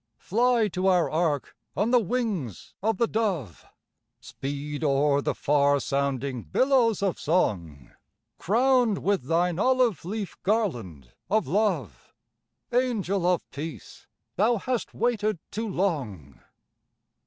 Fly to our ark on the wings of the dove, Speed o'er the far sounding billows of song, Crowned with thine olive leaf garland of love, Angel of Peace, thou hast waited too long!